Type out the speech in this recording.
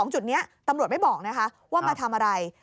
จุดนี้ตำรวจไม่บอกนะคะว่ามาทำอะไร